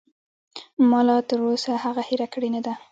ما لاتر اوسه هغه هېره کړې نه ده.